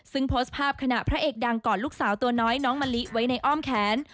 ซึ่งโพสต์ภาพขณะพระเอกดังก่อนลูกสาวตัวน้อยน้องมะลิไว้ในอ้อมแขน